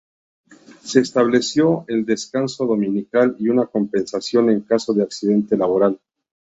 Se estableció el descanso dominical y una compensación en caso de accidente laboral.